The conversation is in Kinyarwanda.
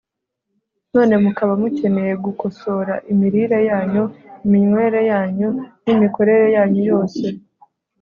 none mukaba mukeneye gukosora imirire yanyu, iminywere yanyu, n'imikorere yanyu yose